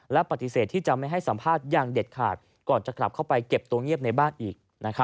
และปฏิเสธที่จะไม่ให้สัมภาษณ์อย่างเด็ดขาดก่อนจะกลับเข้าไปเก็บตัวเงียบในบ้านอีก